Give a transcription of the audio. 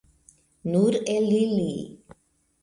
Nur el ili.